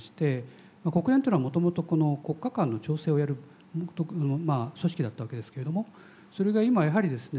国連っていうのはもともと国家間の調整をやる組織だったわけですけれどもそれが今やはりですね